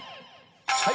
はい